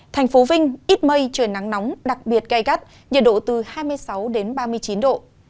thành phố vinh ít mây trời nắng nóng đặc biệt gai gắt nhiệt độ từ hai mươi sáu đến ba mươi chín độ